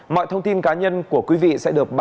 mọi thông tin cá nhân của quý vị sẽ được truy nã